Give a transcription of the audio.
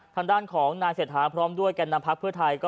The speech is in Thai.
ทางด้านของนายเศรษฐาพร้อมด้วยแก่นำพักเพื่อไทย